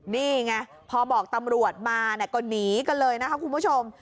นี่ไงพอบอกตำรวจมาก็หนีกันเลยนะคะคุณผู้ชม